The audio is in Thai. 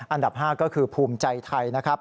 อันดับ๕ก็คือภูมิใจไทยนะครับ